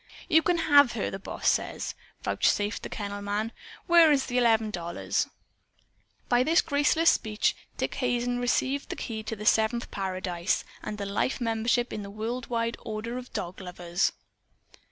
"You can have her, the boss says," vouchsafed the kennel man. "Where's the eleven dollars?" By this graceless speech Dick Hazen received the key to the Seventh Paradise, and a life membership in the world wide Order of Dog Lovers.